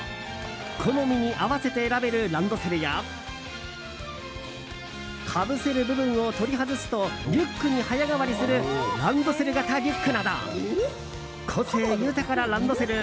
好みに合わせて選べるランドセルやかぶせる部分を取り外すとリュックに早変わりするランドセル型リュックなど個性豊かなランドセル